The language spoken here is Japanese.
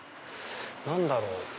何だろう？